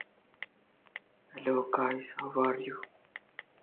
Since then, Heizer has continued his exploration of earthworks.